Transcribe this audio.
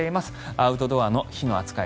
アウトドアの火の扱い